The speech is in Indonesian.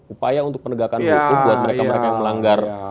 upaya untuk penegakan hukum buat mereka mereka yang melanggar